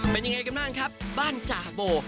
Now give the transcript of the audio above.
เป็นอย่างไรครับบ้านจาโบ